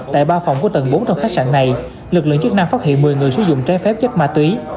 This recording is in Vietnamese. tại ba phòng của tầng bốn trong khách sạn này lực lượng chức năng phát hiện một mươi người sử dụng trái phép chất ma túy